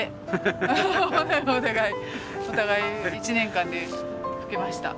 お互い１年間で老けました。